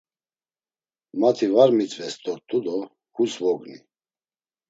Mati var mitzves dort̆u do hus vogni.